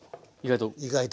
意外と。